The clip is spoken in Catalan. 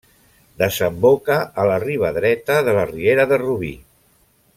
Desemboca a la riba dreta de la riera de Rubí.